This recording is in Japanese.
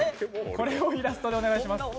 これをイラストでお願いします。